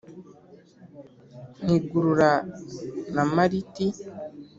Nkigurura na Mariti;